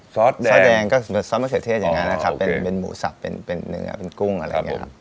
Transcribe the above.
ซอสแดงก็ซอสมะเขือเทศอย่างนั้นนะครับเป็นหมูสับเป็นเนื้อเป็นกุ้งอะไรอย่างนี้ครับ